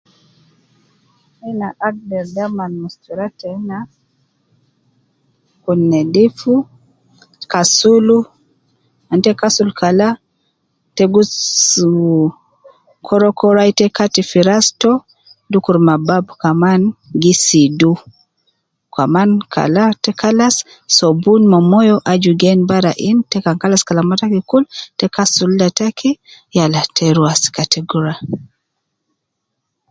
Ina agder daman mustura tena kun nedifu kasulu, kan ta kasul kala, te gusu koro koro wai ta Kati fi ras to dukur ma bab kaman gi sidu, kaman kala te kalas sobun ma moyo aju gen bara in te kan kalas kalama taki kulu te kasul ida taki yala ta rua sika ta gi rua